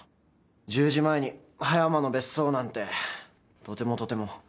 １０時前に葉山の別荘なんてとてもとても。